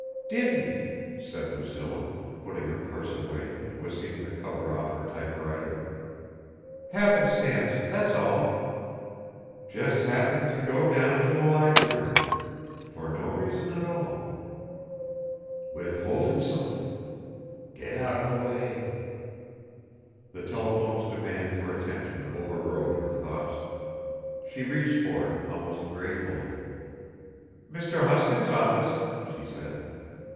"Didn't," said Lucilla, putting her purse away and whisking the cover off her typewriter. "Happenstance, that's all." (Just happened to go down to the library ... for no reason at all ... withholding something ... get out of the way....) The telephone's demand for attention overrode her thoughts. She reached for it almost gratefully. "Mr. Hoskins' office," she said.